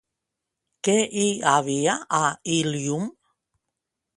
Què hi havia a Ilium?